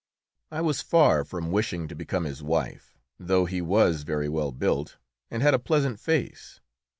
I was far from wishing to become his wife, though he was very well built and had a pleasant face.